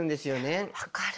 分かる！